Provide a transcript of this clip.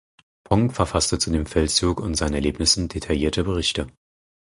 Fonck verfasste zu dem Feldzug und seinen Erlebnissen detaillierte Berichte.